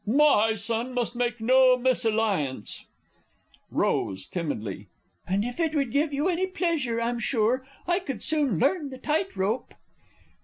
_) My son must make no mésalliance! Rose (timidly). And, if it would give you any pleasure, I'm sure I could soon learn the tight rope!